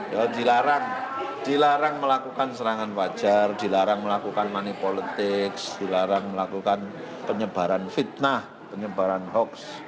ya dilarang dilarang melakukan serangan wajar dilarang melakukan money politics dilarang melakukan penyebaran fitnah penyebaran hoax